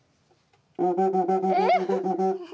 えっ！